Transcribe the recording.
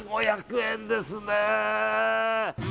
５００円ですね。